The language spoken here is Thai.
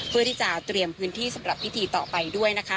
เพื่อที่จะเตรียมพื้นที่สำหรับพิธีต่อไปด้วยนะคะ